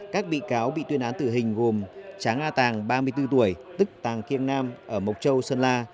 các bị cáo bị tuyên án tử hình gồm tráng a tàng ba mươi bốn tuổi tức tàng kiêng nam ở mộc châu sơn la